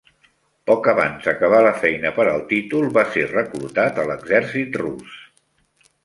Poc abans d'acabar la feina per al títol, va ser reclutat a l'exèrcit rus.